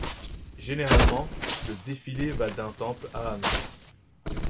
Généralement le défilé va d'un temple à un autre.